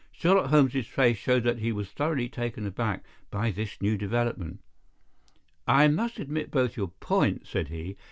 Sherlock Holmes's face showed that he was thoroughly taken aback by this new development. "I must admit both your points," said he.